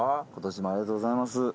今年もありがとうございます。